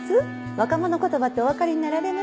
若者言葉ってお分かりになられます？